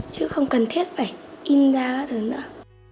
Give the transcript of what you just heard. chứ không cần thiết phải in ra các thứ nữa